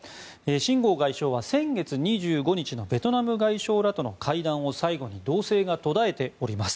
シン・ゴウ外相は先月２５日のベトナム外相らとの会談を最後に動静が途絶えております。